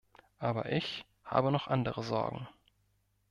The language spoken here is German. Aber ich habe noch andere Sorgen.